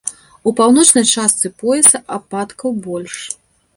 У паўночнай частцы пояса ападкаў больш.